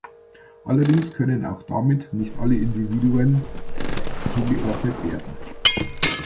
Allerdings können auch damit nicht alle Individuen zugeordnet werden.